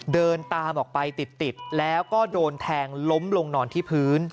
เดินตามออกไปติดแล้วก็โดนแทงล้มลงนอนที่พื้น